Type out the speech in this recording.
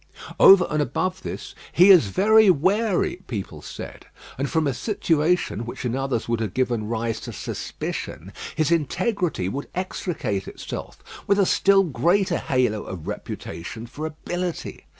Over and above this, "he is very wary," people said: and from a situation which in others would have given rise to suspicion, his integrity would extricate itself, with a still greater halo of reputation for ability.